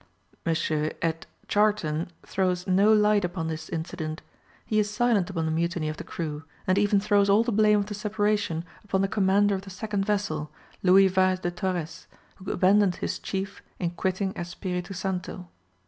M. Ed. Charton throws no light upon this incident. He is silent upon the mutiny of the crew, and even throws all the blame of the separation upon the commander of the second vessel, Luis Vaes de Torrès, who abandoned his chief in quitting Espiritu Santo.